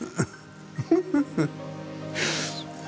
フフフフッ！